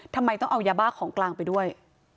ทำไมต้องเอายาบ้าของกลางไปด้วย